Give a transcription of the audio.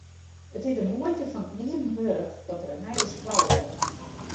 It is de muoite fan it neamen wurdich dat der in nije skoalle komt.